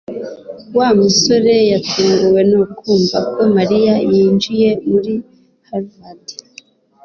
Wa musore yatunguwe no kumva ko Mariya yinjiye muri Harvard